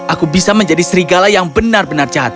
aku bisa menjadi serigala yang benar benar jahat